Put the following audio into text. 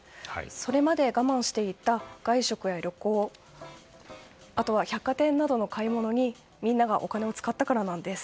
それまで我慢していた外食や旅行あとは百貨店などの買い物にみんながお金を使ったからなんです。